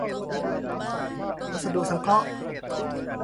วัสดุสังเคราะห์